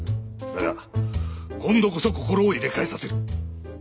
だが今度こそ心を入れ替えさせる。